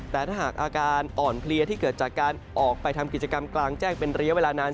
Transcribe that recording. แต่ถ้าหากอาการอ่อนเพลียที่เกิดจากการออกไปทำกิจกรรมกลางแจ้งเป็นระยะเวลานาน